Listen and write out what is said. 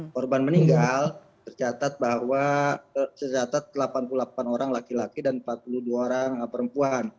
korban meninggal tercatat bahwa tercatat delapan puluh delapan orang laki laki dan empat puluh dua orang perempuan